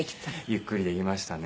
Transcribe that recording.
ゆっくりできましたね。